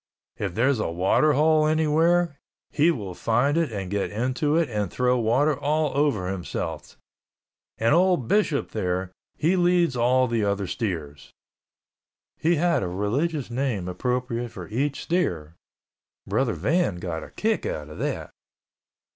If there's a water hole anywhere, he will find it and get into it and throw water all over himself—and old Bishop there, he leads all the other steers." He had a religious name appropriate for each steer. Brother Van got a kick out of that.